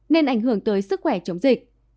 nên ảnh hưởng tới sức khỏe chống dịch